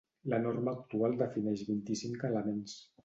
La norma actual defineix vint-i-cinc elements.